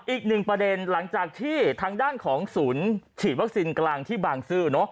อีกหนึ่งประเด็นหลังจากที่ทางด้านของศูนย์ฉีดวัคซีนกลางที่บางซื่อ